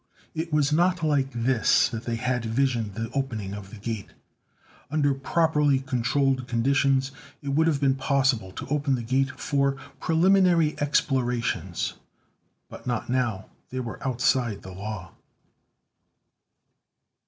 It was not like this that they had visioned the opening of the Gate. Under properly controlled conditions, it would have been possible to open the gate for preliminary explorations. But not now. They were outside the law.